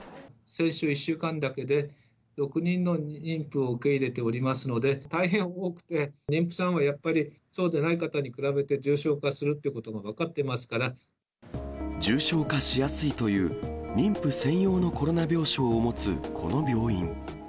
先週１週間だけで６人の妊婦を受け入れておりますので、大変多くて、妊婦さんはやっぱりそうでない方に比べて重症化するということが重症化しやすいという妊婦専用のコロナ病床を持つこの病院。